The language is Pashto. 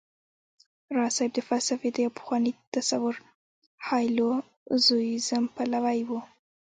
راز صيب د فلسفې د يو پخواني تصور هايلو زوييزم پلوی و